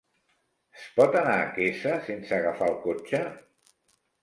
Es pot anar a Quesa sense agafar el cotxe?